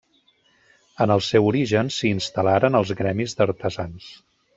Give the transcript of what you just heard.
En el seu origen s'hi instal·laren els gremis d'artesans.